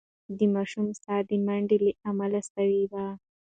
د ماشوم ساه د منډې له امله سوې وه.